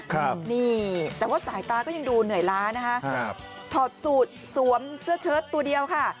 ครับนี่แต่ว่าสายตาก็ยังดูเหนื่อยล้านะคะครับถอดสูตรสวมเสื้อเชิดตัวเดียวค่ะ